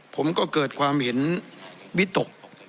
ผมก็เกิดความเห็นวิตก